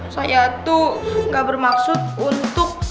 saya tuh gak bermaksud untuk